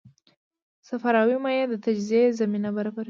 صفراوي مایع د تجزیې زمینه برابروي.